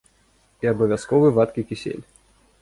І абавязковы вадкі кісель.